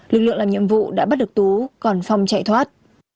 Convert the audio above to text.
lực lượng làm nhiệm vụ đã bắt được tú còn phong chạy thoát